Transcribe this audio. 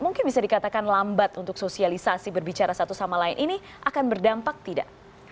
mungkin bisa dikatakan lambat untuk sosialisasi berbicara satu sama lain ini akan berdampak tidak